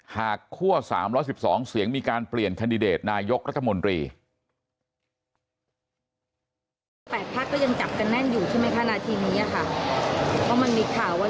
คั่ว๓๑๒เสียงมีการเปลี่ยนแคนดิเดตนายกรัฐมนตรี